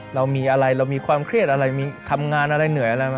เรามีอะไรเรามีความเครียดอะไรมีทำงานอะไรเหนื่อยอะไรไหม